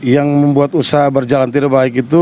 yang membuat usaha berjalan tidak baik itu